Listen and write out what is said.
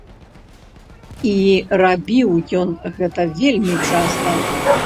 І рабіў ён гэта вельмі часта.